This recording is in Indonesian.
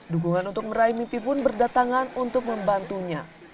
dukungan untuk meraih mimpi pun berdatangan untuk membantunya